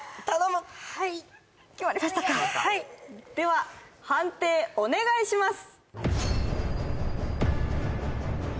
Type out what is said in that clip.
はい決まりましたかでは判定お願いします